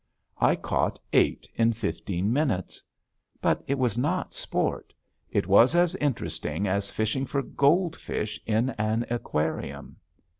I caught eight in fifteen minutes. But it was not sport. It was as interesting as fishing for gold fish in an aquarium.